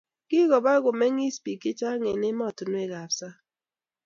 Kokoba komeng'is bik chechang' eng' emotunwek ap sang'